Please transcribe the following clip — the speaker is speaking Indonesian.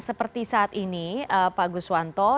seperti saat ini pak guswanto